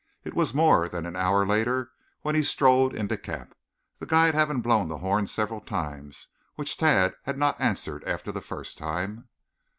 It was more than an hour later when he strolled into camp, the guide having blown the horn several times, which Tad had not answered after the first time.